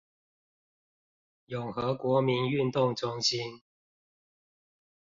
永和國民運動中心